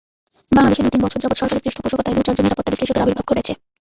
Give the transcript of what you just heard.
বাংলাদেশে দু-তিন বছর যাবৎ সরকারি পৃষ্ঠপোষকতায় দু-চারজন নিরাপত্তা বিশ্লেষকের আবির্ভাব ঘটেছে।